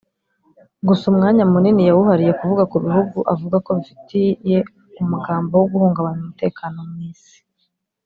Gusa umwanya munini yawuhariye kuvuga ku bihugu avuga ko bifite umugambo wo guhungabanya umutekano mu Isi